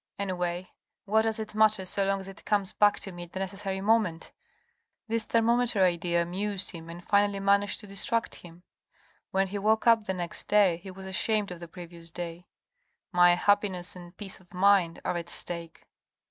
Anyway, what does it matter so long as it comes back to me at the necessary moment ?" This thermometer idea amused him and finally managed to distract him. When he woke up the next day he was ashamed of the previous day. "My happiness and peace of mind are at stake."